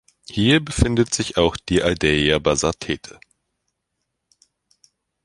Hier befindet sich auch die Aldeia Bazartete.